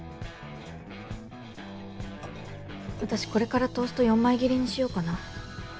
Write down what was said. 私これからトースト４枚切りにしようかな。